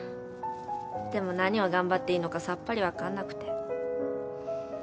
でも何を頑張っていいのかさっぱり分かんなくて。